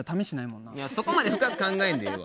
いやそこまで深く考えんでええわ。